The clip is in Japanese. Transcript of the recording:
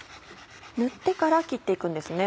塗ってから切って行くんですね。